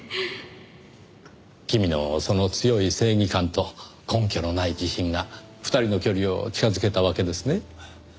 君のその強い正義感と根拠のない自信が２人の距離を近づけたわけですね。